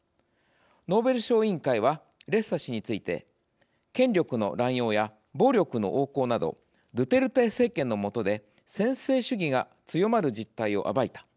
ノーベル賞委員会はレッサ氏について「権力の乱用や暴力の横行などドゥテルテ政権のもとで専制主義が強まる実態を暴いた。